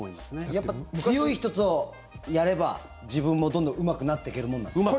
やっぱり強い人とやれば自分もどんどんうまくなっていけるものなんですか？